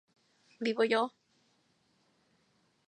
¿vivo yo?